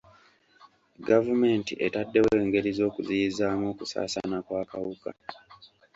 Gavumenti etaddewo engeri z'okuziyizaamu okusaasaana kw'akawuka.